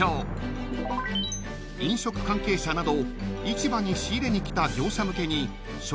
［飲食関係者など］